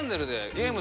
ゲーム